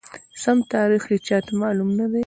سم تاریخ یې چاته معلوم ندی،